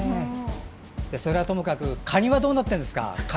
それはともかくカニはどうなっているんですか？